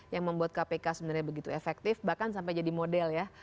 yang membuat kpk sebenarnya begitu efektif bahkan sampai jadi model ya